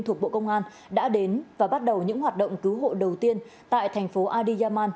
thuộc bộ công an đã đến và bắt đầu những hoạt động cứu hộ đầu tiên tại thành phố adi yaman